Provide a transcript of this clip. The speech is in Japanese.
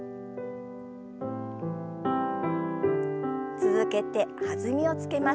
続けて弾みをつけます。